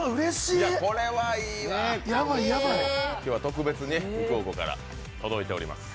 これはいいわ、今日は特別に福岡から届いております。